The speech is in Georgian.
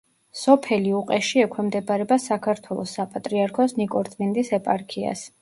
სოფელი უყეში ექვემდებარება საქართველოს საპატრიარქოს ნიკორწმინდის ეპარქიას.